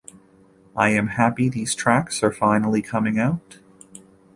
I am happy these tracks are finally coming out.